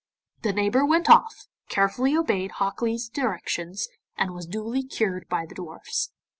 The neighbour went off, carefully obeyed Hok Lee's directions, and was duly cured by the dwarfs.